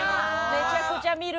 めちゃくちゃ見る。